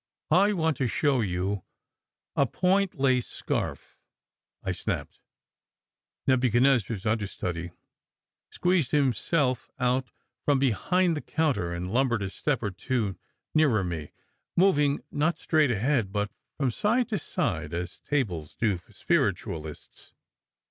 "I want to show you a point lace scarf," I snapped. Nebuchadnezzar s understudy squeezed himself out from SECRET HISTORY 11 behind the counter, and lumbered a step or two nearer me, moving not straight ahead, but from side to side, as tables do for spiritualists.